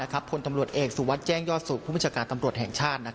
โคนตำรวจเอกสุวรรค์แจ้งยอดสูตรผู้บิจการตำรวจแห่งชาติ